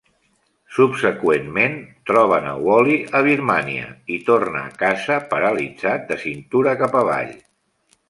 Subseqüentment, troben a Wally a Birmània i torna a casa, paralitzat de cintura cap avall.